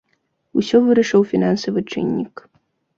Усё вырашыў фінансавы чыннік.